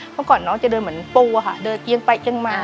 เมื่อก่อนน้องจะเดินเหมือนปูอะค่ะเดินเกียงไปเอียงมา